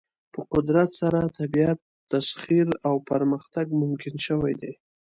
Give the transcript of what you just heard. په قدرت سره طبیعت تسخیر او پرمختګ ممکن شوی دی.